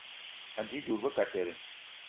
Anji dud be kateré